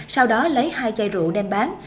sau đó lấy hai chai rượu đem bán